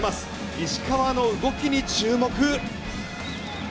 石川の動きに注目。